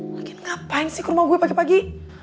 lagi ngapain sih ke rumah gue pagi pagi